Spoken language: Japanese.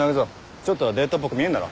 ちょっとはデートっぽく見えんだろ。